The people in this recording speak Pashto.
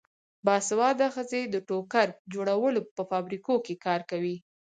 باسواده ښځې د ټوکر جوړولو په فابریکو کې کار کوي.